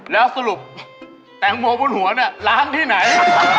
แล้วสรุปแตงโมบนหัวเนี่ยล้างที่ไหน